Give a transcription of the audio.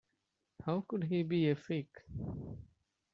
How could he be a fake?